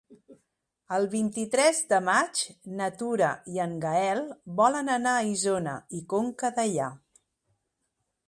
El vint-i-tres de maig na Tura i en Gaël volen anar a Isona i Conca Dellà.